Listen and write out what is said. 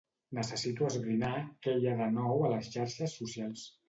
Necessito esbrinar què hi ha de nou a les xarxes socials.